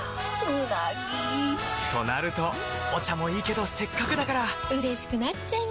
うなぎ！となるとお茶もいいけどせっかくだからうれしくなっちゃいますか！